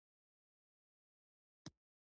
دا لومړني انسانان له نورو ژوو سره ورته وو.